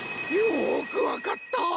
よく分かった！